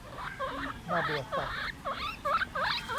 น่าเบื่อสัส